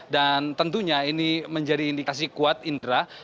dan tentunya ini menjadi indikasi kuat indra